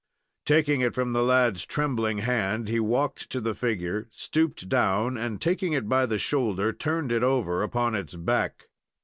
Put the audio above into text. Taking it from the lad's trembling hand, he walked to the figure, stooped down, and, taking it by the shoulder, turned it over upon its back.